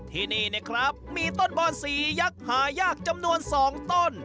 ที่นี่นะครับมีต้นบอนสียักษ์หายากจำนวน๒ต้น